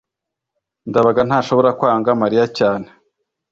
ndabaga ntashobora kwanga mariya cyane